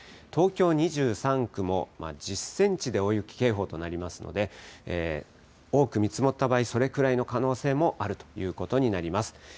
東京２３区も１０センチで大雪警報となりますので、多く見積もった場合、それくらいの可能性もあるということになります。